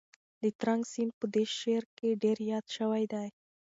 د ترنک سیند په دې شعر کې ډېر یاد شوی دی.